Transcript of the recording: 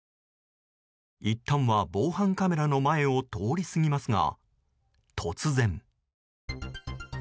いったんは防犯カメラの前を通り過ぎますが、突然。